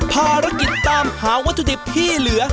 ภารกิจตามหาวัตถุดิบที่เหลือ